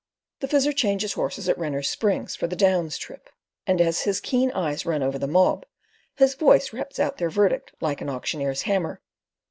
The Fizzer changes horses at Renner's Springs for the "Downs' trip"; and as his keen eyes run over the mob, his voice raps out their verdict like an auctioneer's hammer.